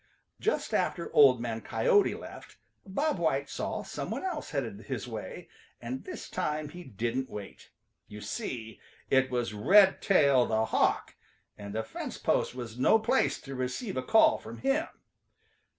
Just after Old Man Coyote left Bob White saw some one else headed his way, and this time he didn't wait. You see it was Redtail the Hawk, and a fence post was no place to receive a call from him.